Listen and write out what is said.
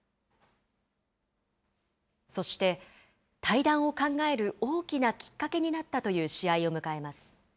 そして、退団を考える大きなきっかけになったという試合を迎えます。